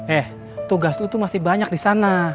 eh tugas lo tuh masih banyak disana